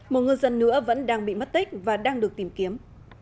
một ngư dân nữa vẫn đang bị mất tích và đang được tìm kiếm